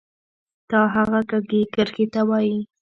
تا هغه کږې کرښې ته وایې